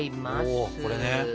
おこれね。